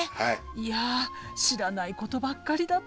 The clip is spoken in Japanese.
いや知らないことばっかりだったわ。